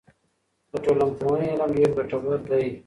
د ټولنپوهنې علم ډېر ګټور دی.